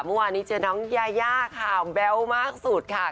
เมื่อวานนี้เจอน้องยายาข่าวแบ๊วมากสุดค่ะ